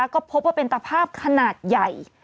ก็พบว่าเป็นตภาพขนาดใหญ่